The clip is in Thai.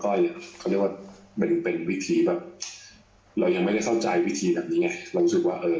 เขาเรียกว่ามันเป็นวิธีแบบเรายังไม่ได้เข้าใจวิธีแบบนี้ไงเรารู้สึกว่าเออ